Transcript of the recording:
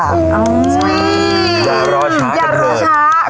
อย่ารอช้า